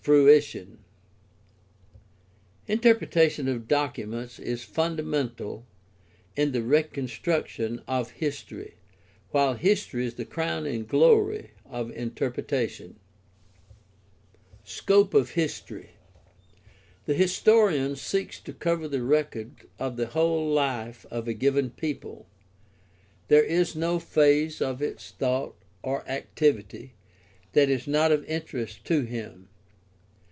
I20 GUIDE TO STUDY OF CHRISTIAN RELIGION Interpretation of documents is fundamental in the recon struction of history, while history is the crown and glory of interpretation. Scope of history. — The historian seeks to cover the record of the whole life of a given people. There is no phase of its thought or activity that is not of interest to him.